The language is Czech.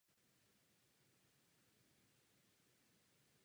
Obecní dovolená je na Velikonoční pondělí.